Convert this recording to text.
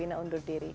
wina undur diri